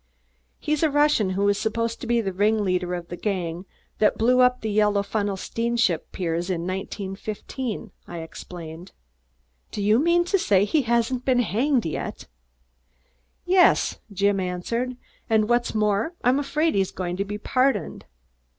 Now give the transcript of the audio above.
"He's the Russian who was supposed to be the ring leader of the gang that blew up the Yellow Funnel steamship piers in 1915," I explained. "Do you mean to say he hasn't been hanged yet?" "Yes!" Jim answered. "And what's more, I'm afraid he's going to be pardoned."